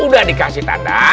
udah dikasih tanda